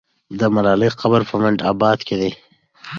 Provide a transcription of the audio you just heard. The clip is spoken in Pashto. د ملالۍ قبر په منډآباد کې دی.